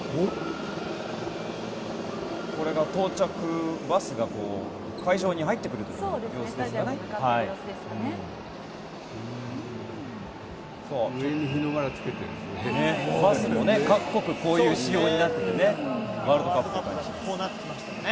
これがバスが会場に入ってくる様子ですかね。